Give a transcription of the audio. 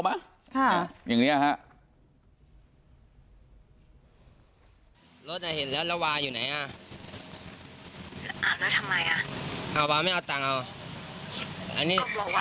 เบียก็บอกแล้วไง